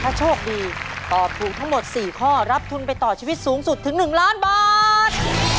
ถ้าโชคดีตอบถูกทั้งหมด๔ข้อรับทุนไปต่อชีวิตสูงสุดถึง๑ล้านบาท